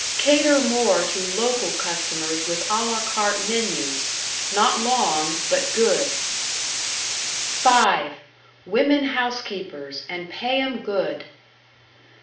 Cater more to local customers with à la carte menus not long but good. "(5) Women housekeepers and pay 'em good.